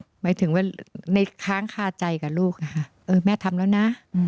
หมายถึงว่าในค้างคาใจกับลูกแม่ทำแล้วนะ